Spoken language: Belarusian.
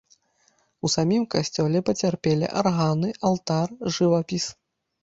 У самім касцёле пацярпелі арганы, алтар, жывапіс.